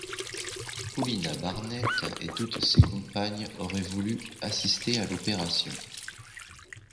Paulina Barnett et toutes ses compagnes avaient voulu assister à l’opération.